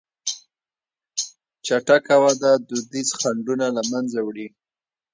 چټکه وده دودیز خنډونه له منځه وړي.